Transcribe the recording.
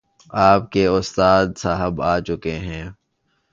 آپ کے استاد صاحب آ چکے ہیں